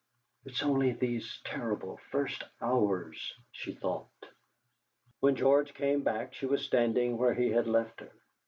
'.t's only these terrible first hours,' she thought. When George came back she was standing where he had left her.